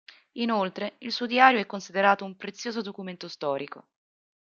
Inoltre, il suo diario è considerato un prezioso documento storico.